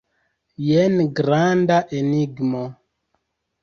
Jen granda enigmo!